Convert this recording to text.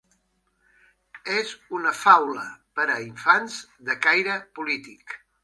És una faula per a infants de caire polític.